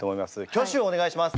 挙手お願いします。